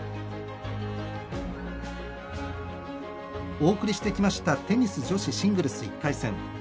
お送りしてきましたテニス女子シングルス１回戦。